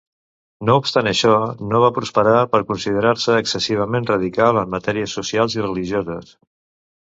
No obstant això, no va prosperar per considerar-se excessivament radical en matèries socials i religioses.